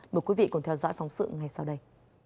mời quý vị cùng theo dõi phóng sự ngay sau đây